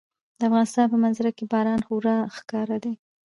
د افغانستان په منظره کې باران خورا ښکاره دی.